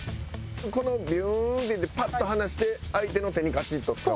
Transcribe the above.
このビューンっていってパッと離して相手の手にガチッとつかむ？